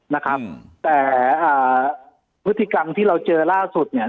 นะครับแต่อ่าพฤติกรรมที่เราเจอล่าสุดเนี่ย